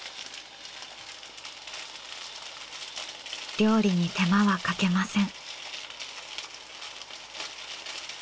料理に手間はかけません。